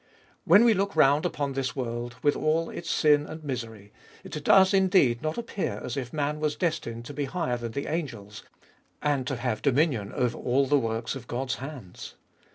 When we look round upon this world, with all its sin and misery, it does indeed not appear as if man was destined to be higher than the angels, and to have dominion over all the works of God's hands.